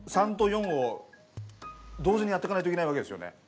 ３と４を同時にやっていかないといけないわけですよね。